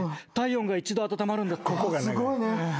すごいね。